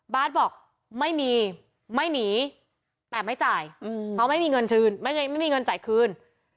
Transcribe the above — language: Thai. บ๊าสบอกไม่มีไม่หนีแต่ไม่จ่ายเพราะไม่มีเงินจ่ายคืน